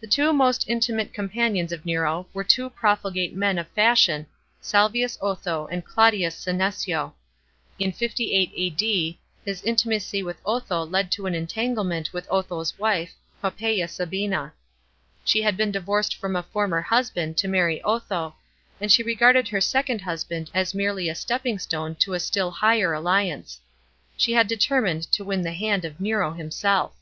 The two most intimite companions of Nero were two profligate men of fashion, Salvius Otho and Claudius Senecio. In 58 A.D., his intimacy with Otho led to an entanglement with Otho's wife Poppasa Sahina. She had been divorced from a former husband to marry Otho, and she regarded her second husband as merely a stepping stone to a still higher alliance. She had determined to win the hand of Nero hinoelf.